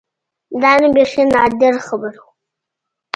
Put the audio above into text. دا نو بيخي نادره خبره وه.